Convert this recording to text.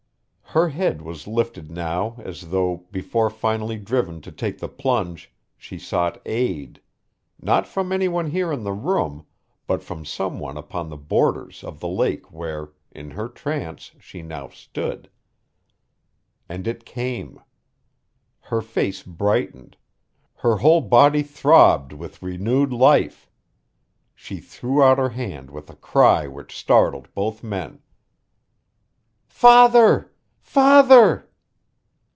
Her head was lifted now as though, before finally driven to take the plunge, she sought aid not from anyone here in the room, but from someone upon the borders of the lake where, in her trance, she now stood. And it came. Her face brightened her whole body throbbed with renewed life. She threw out her hand with a cry which startled both men. "Father! Father!"